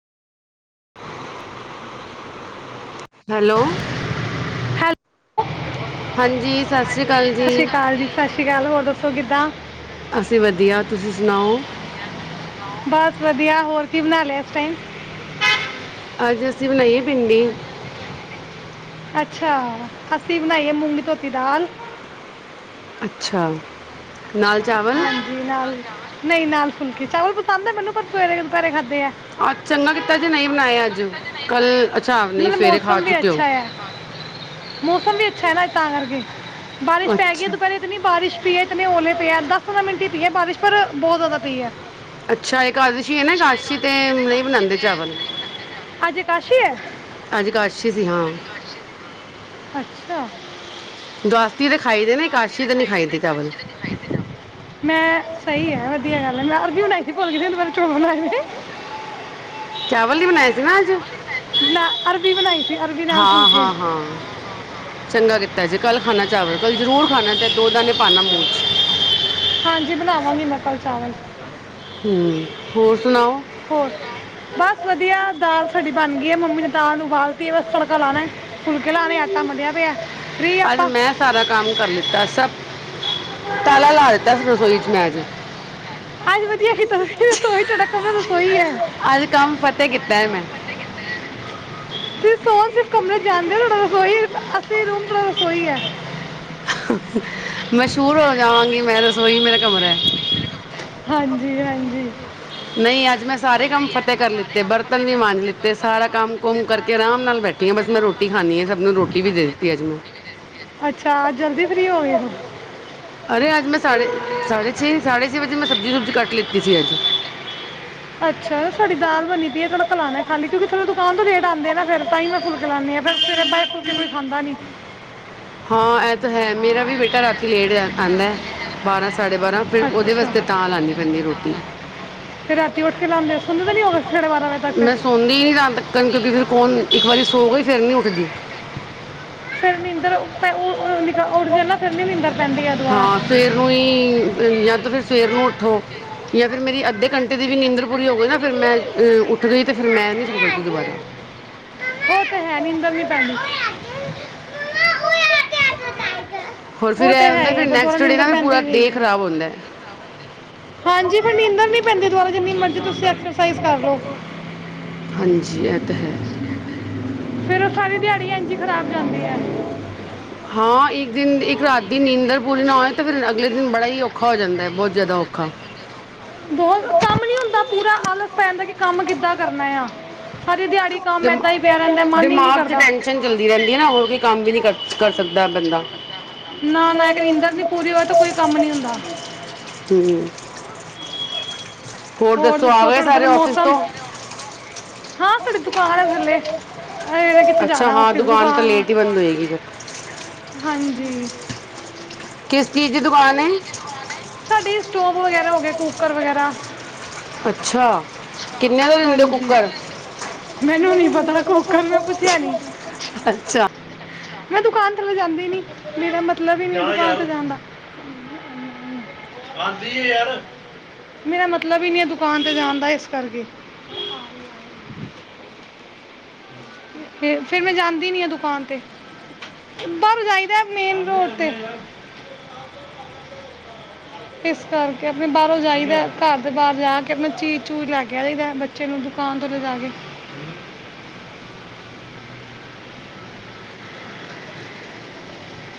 [unintelligible] Hello. Hello ਹਾਂਜੀ। ਸਤਿ ਸਤਿ ਅਕਾਲ ਜੀ ਸ਼੍ਰੀ ਅਕਾਲ। ਸਤਿ ਸ਼੍ਰੀ ਅਕਾਲ। ਹੋਰ ਦੱਸੋ ਕਿਦਾ। ਆ ਅਸੀਂ ਵਧੀਆ। ਤੁਸੀਂ ਸੁਣਾਓ। ਬਸ ਵਧੀਆ ਹੋਰ ਕੀ ਬਣਾ ਲਿਆ ਇਸ ਟਾਈਮ। ਅੱਜ ਅਸੀਂ ਬਣਾਈਏ ਭਿੰਡੀ। ਅੱਛਾ, ਅੱਸੀ ਬਣਾਈ ਹੈ ਮੂੰਗੀ ਧੋਤੀ ਦਾਲ। ਅੱਛਾ। ਨਾਲ ਚਾਵਲ ਹਾਂਜੀ, ਦਾਲ-ਚਾਵਲ। ਨਹੀਂ ਨਾਲ ਫੁਲਕੇ ਚਾਵਲ ਪਸੰਦ ਐ। ਮੈਨੂੰ ਪਰ ਸਵੇਰੇ ਦੁਪਹਿਰੇ ਖਾਧੇ ਅੱਜ ਚੰਗਾ ਕੀਤਾ ਜੇ ਨਹੀਂ ਬਣਾਏ ਅੱਜ ਕੱਲ ਅੱਛਾ ਨਹੀਂ ਮਤਲਬ ਸਵੇਰੇ ਖਾ ਮੌਸਮ ਵੀ ਚੁੱਕੇ ਹੋ ਅੱਛਾ ਆ। ਮੌਸਮ ਵੀ ਅੱਛਾ ਹੈ ਨਾ ਤਾਂ ਕਰਕੇ। ਬਾਰਿਸ਼ ਪੈ ਗਈ ਅੱਛਾ ਦੁਪਹਿਰੇ ਇ ਤਾਂਨੀ ਬਾਰਿਸ਼ ਪੀ ਐੱਚ ਲੇ ਪਿਆ ਦਸ ਪੰਦਰਾਂ ਮਿੰਟ ਹੀ ਪੀ ਹੈ ਬਾਰਿਸ਼ ਪਰ ਬਹੁਤ ਜ਼ਿਆਦਾ ਪਈ ਹੈ। ਅੱਛਾ ਇਕਾਦਸ਼ੀ ਹੈ ਨਾ ਇਕਾਸ਼ੀ ਤੇ ਨਹੀਂ ਬਣਾਉਦੇ ਚਾਵਲ। ਅੱਜ ਕਾਸ਼ੀ ਹੈ ਅੱਜ ਕਾਾਸ਼ੀ ਸੀ ਹਾਂ। [inaudible] ਦਸ ਮੈਂ ਸਹੀ ਹੈ ਵਧੀਆ ਗੱਲ ਹੈ ਮੈਂ ਵੀ ਬਣਾਈ ਸੀ ਭੁਲ ਗਈ ਦੁਪਹਿਰੇ ਚੋਲ ਬਨਾਏ ਨੇ। ਚਾਵਲ ਵੀ ਬਣਾਏ ਸੀ ਨਾ ਅੱਜ। ਬਣਾ ਅਰਬੀ ਬਣਾਈ ਸੀ ਅਰਬੀ ਨਾਲ ਹਾਂ, ਫੁਲਕੇ ਹਾਂ, ਹਾਂ। ਚੰਗਾ ਕੀਤਾ ਜੇ ਕੱਲ ਖਾਨਾ ਚਾਵਲ ਕੱਲ ਜਰੂਰ ਖਾਣਾ ਚਾਹੇ ਦੋ ਦਾਣੇ ਪਾਣਾ ਮੂੰਹ ਚ। ਹਾਂਜੀ ਬਣਾਵਾਂਗੀ ਮੈ ਕੱਲ ਚਾਵਲ। ਹੂੰ, ਹੋਰ ਸੁਣਾਓ। ਹੋਰ ਬਸ ਵਧੀਆ ਦਾਲ ਸਾਡੀ ਬਣ ਗਈ ਹੈ, ਮੰਮੀ ਨੇ ਦਾਲ ਨੂੰ ਉਬਾਲਤੀ ਹੈ ਬਸ ਤੜਕਾ ਲਾਣਾ ਏ, ਫੁਲਕੇ ਲਾਣੇ ਆਟਾ ਮਲਿਆ ਪਿਆ ਏ। ਅੱਜ ਮੈਂ ਸਾਰਾ ਕੰਮ ਕਰ ਲਿੱਤਾ ਸਭ ਤਾਲਾ ਲਾ ਦਿੱ ਤਾਂ ਸੀ ਰਸੋਈ ਚ ਮੈਂ ਅੱਜ, ਅੱਜ ਵਧੀਆ ਕੀਤਾ ਤੁਸੀਂ ਰਸੋਈ ਤੁਹਾਡਾ ਕਮਰਾ ਰਸੋਈ ਹੈ ਅੱਜ-ਕੰਮ ਫਤਿਹ ਕੀਤਾ ਏ ਮੈਂ। ਸੋਣ ਸਿਰਫ ਕਮਰੇ ਚ ਜਾਂਦੇ ਔ ਤੁਹਾਡਾ ਰਸੋਈ ਅਸਲੀ ਰੂਮ ਤੁਹਾਡਾ ਰਸੋਈ ਐ। ਮਸ਼ਹੂਰ ਹੋ ਜਾਵਾਂਗੀ ਮੈਂ ਰਸੋਈ ਮੇਰਾ ਕਮਰਾ ਹੈ। ਹਾਂਜੀ-ਹਾਂਜੀ। ਨਹੀਂ ਅੱਜ ਮੈਂ ਸਾਰੇ ਕੰਮ ਫ਼ਤਿਹ ਕਰ ਲਿੱਤੇ, ਬਰਤਨ ਵੀ ਮਾਂਜ ਲਿੱਤੇ ਸਾਰਾ ਕੰਮ-ਕੁਮ ਕਰਕੇ ਆਰਾਮ ਨਾਲ ਬੈਠੀ ਆ, ਬਸ ਮੈਂ ਰੋਟੀ ਖਾਣੀ ਆ, ਸਭ ਨੂੰ ਰੋਟੀ ਵੀ ਦੇ ਦਿੱਤੀ ਅੱਜ ਮੈਂ। ਅੱਛਾ ਅੱਜ ਜਲਦੀ ਫ੍ਰੀ ਹੋ ਗਏ ਹੋ ਅਰੇ ਅੱਜ ਮੈਂ ਸਾਢੇ ਛੇ ਸਾਢੇ ਛੇ ਵਜੇ ਮੈਂ ਸਬਜ਼ੀ-ਸੁਬਜ਼ੀ ਕੱਟ ਲਿੱਤੀ ਸੀ ਅੱਜ। ਅੱਛਾ, ਸਾਡੀ ਦਾਲ ਬਣੀ ਪਈ ਏ ਤੜਕਾ ਲਾਣਾ ਖਾਲੀ ਕਿਉਂਕਿ ਥੱਲੋ ਦੁਕਾਨ ਤੋਂ ਲੇਟ ਆਂਦੇ ਨਾ ਫਿਰ ਤਾਂਹੀ ਮੈਂ ਫੁਲਕੇ ਲਾਂਦੀ ਆਂ ਫਿਰ-ਫਿਰ ਬਏ ਫੁਲਕੇ ਕੋਈ ਖਾਂਦਾ ਨੀ। ਹਾਂ ਇਹ ਤਾਂ ਹੈ ਮੇਰਾ ਵੀ ਬੇਟਾ ਰਾਤੀ ਲੇਟ ਆਂਦਾ ਬਾਰਾਂ-ਸਾਢੇ ਬਾਰਾਂ ਫਿਰ ਉਹਦੇ ਅੱਛਾ ਵਾਸਤੇ ਤਾਂ ਲਾਣੀ ਪੈਂਦੀ ਰੋਟੀ, ਫਿਰ ਰਾਤੀ ਉੱਠ ਕੇ ਲਾਉਂਦੇ ਹੋ? ਸੁਣਦੇ ਤਾਂ ਨਹੀਂ ਹੋਗੇ ਸਾਢੇ ਬਾਰਾਂ ਵਜੇ ਤੱਕ ਫਿਰ ਮੈਂ ਸੌਂਦੀ ਨੀ ਰਾਤ ਤੱਕਣ ਕਿਉਂਕਿ ਫਿਰ ਕੌਣ ਇੱਕ ਵਾਰੀ ਸੋ ਗਈ ਫਿਰ ਨੀ ਉੱਠਦੀ। ਨੀਂਦਰ ਫਿਰ ਉਹ ਨਿੱਕਾ ਉੱਠ ਜੇ ਨਾ ਫਿਰ ਨੀ ਨਿੰਦਰ ਹਾਂ ਸਵੇਰ ਨੂੰ ਹੀ ਜਾਂ ਤਾਂ ਫਿਰ ਸਵੇ ਸਵੇਰ ਨੂੰ ਉੱਠੋ ਜਾਂ ਫਿਰ ਮੇਰੀ ਅੱਧੇ ਘੰਟੇ ਦੀ ਵੀ ਨੀਂਦਰ ਪੂਰੀ ਹੋ ਗਈ ਨਾ ਫਿਰ ਮੈਂ ਅ ਉੱਠ ਗਈ ਤੇ ਫਿਰ ਮੈਂ ਨੀ ਸੋ ਸਕਦੀ ਦੁਬਾਰਾ। ਉਹ ਤੇ ਹੈ ਨੀਂਦਰ ਨਹੀਂ ਪੈਂਦੀ ਹੋਰ ਫਿਰ ਉਹ ਤੇ ਇਹ ਹੈ ਹੁੰਦਾ ਹੀ ਆ ਫਿਰ ਦੁਬਾਰਾ ਨੈਕਸਟ ਡੇ ਨਾ ਨੀਂਦਰ ਫਿਰ ਪੈਂਦੀ ਪੂਰਾ ਵੀ ਡੇ ਨਹੀਂ ਆ ਖਰਾਬ ਹੁੰਦਾ ਹੈ। ਹਾਂਜੀ, ਫਿਰ ਨੀਂਦਰ ਨੀ ਪੈਂਦੀ ਦੁਬਾਰਾ ਜਿੰਨੀ ਮਰਜੀ ਤੁਸੀਂ ਐਕਰਸਾਈਜ਼ ਕਰ ਲਓ। ਹਾਂਜੀ ਇਹ ਤਾਂ ਹੈ। ਫਿਰ ਉਹ ਸਾਰੀ ਦਿਹਾੜੀ ਇੰਝ ਹੀ ਖਰਾਬ ਜਾਂਦੀ ਹੈ ਹਾਂ ਇੱਕ ਦਿਨ ਇੱਕ ਰਾਤ ਦੀ ਨੀਂਦਰ ਪੂਰੀ ਨਾ ਹੋਏ ਤੇ ਫਿਰ ਅਗਲੇ ਦਿਨ ਬੜਾ ਹੀ ਔਖਾ ਹੋ ਜਾਂਦਾ ਹੈ ਬਹੁਤ ਜ਼ਿਆਦਾ ਔਖਾ ਬਹੁਤ ਕੰਮ ਨਹੀਂ ਹੁੰਦਾ ਪੂਰਾ ਆਲਸ ਪੈ ਜਾਂਦਾ ਕਿ ਕੰਮ ਕਿੱਦਾਂ ਕਰਨਾ ਆ ਸਾਰੀ ਦਿਹਾੜੀ ਕੰਮ ਏਦਾਂ ਹੀ ਪਿਆ ਰਹਿੰਦਾ ਮਨ ਹੀ ਨਹੀਂ ਦਿਮਾ-ਦਿਮਾਗ ਚ ਕਰਦਾ ਟੈਸ਼ਨ ਚੱਲਦੀ ਰਹਿੰਦੀ ਏ ਨਾ ਹੋਰ ਕੋਈ ਕੰਮ ਵੀ ਨਹੀਂ ਕਰ ਸਕਦਾ ਬੰਦਾ। ਨਾ ਨਾ ਇੱਕ ਨੀਂਦਰ ਨਹੀਂ ਪੂਰੀ ਹੋਏ ਤਾਂ ਕੋਈ ਕੰਮ ਨਹੀਂ ਹੁੰਦਾ ਹੂੰ ਹੋਰ ਦੱਸੋ ਆ ਗਏ ਤੁਹਾਡੇ ਸਾਰੇ ਉਧਰ ਔਫਿਸ ਮੌਸਮ ਤੋਂ। ਹਾਂ ਸਾਡੀ ਦੁਕਾਨ ਹੈ ਥੱਲੇ। ਇਹਨੇ ਕਿੱਥੇ ਅੱਛਾ ਜਾਣਾ ਹਾਂ ਆਫਿਸ ਦੁਕਾਨ ਤਾਂ ਹੈ ਲੇਟ ਹੀ ਬੰਦ ਹੋਏਗੀ ਫਿਰ। ਹਾਂਜੀ। ਕਿਸ ਚੀਜ਼ ਦੀ ਦੁਕਾਨ ਹੈ ਸਾਡੇ ਸਟੋਵ ਵਗੈਰਾ ਹੋ ਗਿਆ ਕੂਕਰ ਵਗੈਰਾ ਅੱਛਾ ਕਿੰਨੇ ਦਾ ਦਿੰਦੇ ਓ ਹਾਂਜੀ ਕੁੱਕਰ। ਮੈਨੂੰ ਨਹੀਂ ਪਤਾ ਕੁੱਕਰ ਮੈਂ ਪੁੱਛਿਆ ਨਹੀਂ ਅੱਛਾ ਮੈਂ ਦੁਕਾਨ ਥਲੇ ਜਾਦੀ ਨੀ ਮੇਰਾ ਮਤਲਬ ਹੀ ਨੀ ਦੁਕਾਨ ਤੇ ਜਾਣ ਦਾ ਮੇਰਾ ਮਤਲਬ ਹੀ ਨਹੀਂ ਦੁਕਾਨ ਤੇ ਜਾਣ ਦਾ ਇਸ ਕਰਕੇ ਫਿਰ ਮੈਂ ਜਾਂਦੀ ਨੀ ਆ ਦੁਕਾਨ ਤੇ ਬਾਹਰੋਂ ਜਾਈਦਾ ਮੇਨ ਰੋਡ ਤੇ ਇਸ ਕਰਕੇ ਆਪਣੇ ਬਾਹਰੋਂ ਜਾਈਦਾ ਘਰ ਦੇ ਬਾਹਰ ਜਾ ਕੇ ਆਪਣਾ ਚੀਜ਼ ਚੂਜ ਲੈ ਕੇ ਜਾਈਦਾ ਬੱਚੇ ਨੂੰ ਦੁਕਾਨ ਤੋਂ ਲਿਜਾ ਕੇ